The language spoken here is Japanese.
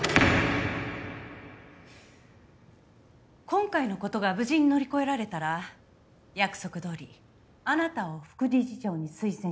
今回の事が無事に乗り越えられたら約束どおりあなたを副理事長に推薦しますから。